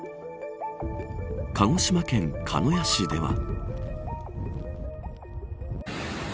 鹿児島県鹿屋市では。